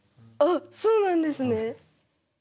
あっそうなんですね。